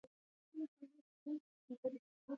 پــاچــاخــان د وفــات کـېـدو اته درېرشم تـلـيـن.